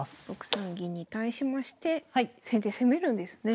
６三銀に対しまして先手攻めるんですね。